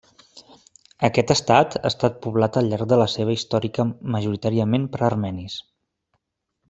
Aquest estat ha estat poblat al llarg de la seva històrica majoritàriament per armenis.